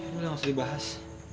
ini lah yang harus dibahas